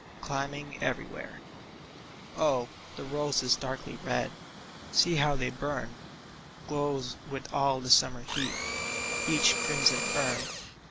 Climbing everywhere ! Oh, the roses darkly red — See, how they burn ! Glows with all the summer heat Each crimson urn.